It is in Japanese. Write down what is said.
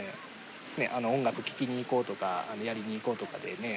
音楽聴きに行こうとかやりに行こうとかでね